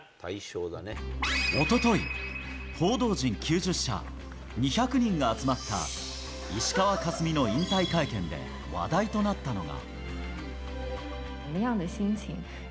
おととい、報道陣９０社、２００人が集まった石川佳純の引退会見で話題となったのが。